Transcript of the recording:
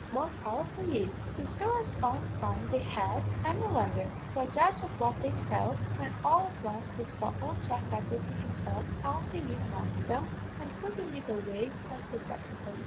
more power to yez!' "The sorra's own fun they had, an' no wondher; but judge of what they felt, when all at once they saw ould Jack Rafferty himself bouncin' in among them, and footing it away like the best o' them.